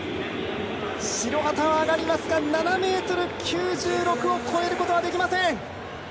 白旗は上がりますが７ｍ９６を超えることはできません。